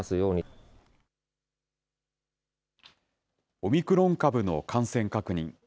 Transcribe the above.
オミクロン株の感染確認。